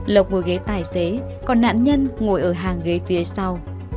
lộc một ghế tài xế còn nạn nhân ngồi ở hàng ghế phía sau